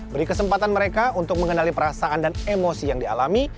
beri kesempatan mereka untuk mengenali perasaan dan emosi yang dialami